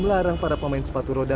melarang para pemain sepatu roda